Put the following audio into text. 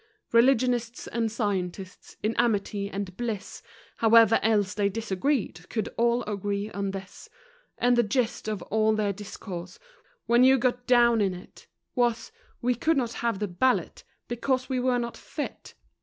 Religionists and scientists, in amity and bliss, However else they disagreed, could all agree on this, And the gist of all their discourse, when you got down in it, Was we could not have the ballot because we were not fit!